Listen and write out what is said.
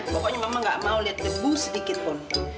pokoknya mama gak mau lihat debu sedikit pun